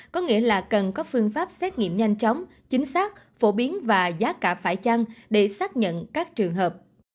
có nghĩa là cần có phương pháp xét nghiệm nhanh chóng chính xác phổ biến và giá cả phải chăng để xác nhận các trường hợp